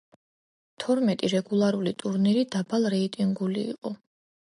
თორმეტი რეგულარული ტურნირი დაბალრეიტინგული იყო.